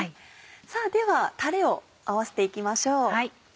さぁではたれを合わせていきましょう。